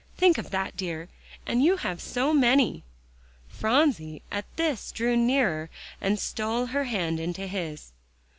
Think of that, dear; and you have so many." Phronsie at this drew nearer and stole her hand into his.